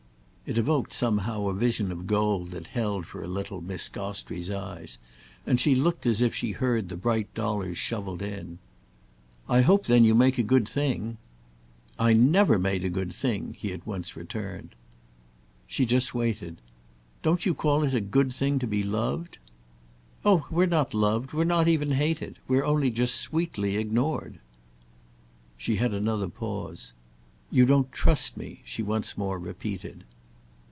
It evoked somehow a vision of gold that held for a little Miss Gostrey's eyes, and she looked as if she heard the bright dollars shovelled in. "I hope then you make a good thing—" "I never made a good thing!" he at once returned. She just waited. "Don't you call it a good thing to be loved?" "Oh we're not loved. We're not even hated. We're only just sweetly ignored." She had another pause. "You don't trust me!" she once more repeated.